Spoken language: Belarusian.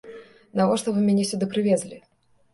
Навошта вы мяне сюды прывезлі?!